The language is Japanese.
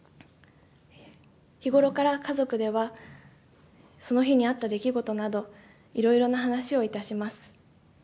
日頃から家族では、その日にあった出来事など、いろいろな話をいたします。